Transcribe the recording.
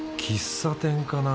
喫茶店か